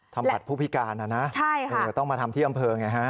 ทำบัตรผู้พิการนะนะต้องมาทำที่อำเภอไงฮะ